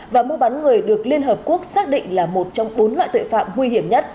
và mua bán người được liên hợp quốc xác định là một trong bốn loại tội phạm nguy hiểm nhất